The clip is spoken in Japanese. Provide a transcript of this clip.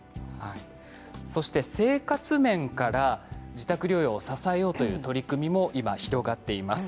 そして生活面から自宅療養を支えようという取り組みも今、広がっています。